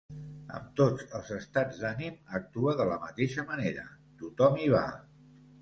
Amb tots els estats d’ànim actua de la mateixa manera; tothom hi va.